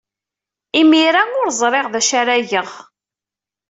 Imir-a ur ẓriɣ d acu ara geɣ.